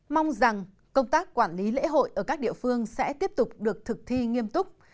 mong rằng công tác quản lý lễ hội ở các địa phương sẽ tiếp tục được thực thi nghiêm túc